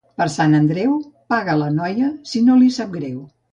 Per Sant Andreu, paga la noia, si no li sap greu.